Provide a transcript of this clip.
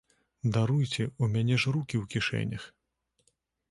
Даруйце, у мяне ж рукі ў кішэнях.